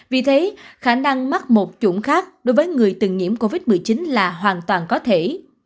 vì thế khả năng mắc một chuẩn khác đối với người từng nhiễm covid một mươi chín là hoàn toàn có thể